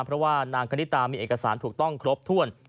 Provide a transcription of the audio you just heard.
เพราะว่านางคณิตามีเอกสารถูกต้องครบถ้วน